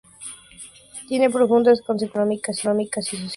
Tiene profundas consecuencias económicas y sociales.